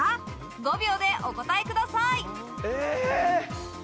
５秒でお答えください。